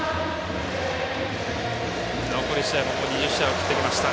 残り試合ももう２０試合を切ってきました。